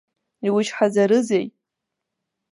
Иучҳаӡарызеи?